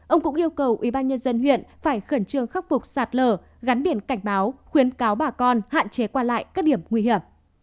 ông cũng yêu cầu ủy ban nhân dân huyện phải khẩn trương khắc phục sạt lở gắn biển cảnh báo khuyến cáo bà con hạn chế qua lại các điểm nguy hiểm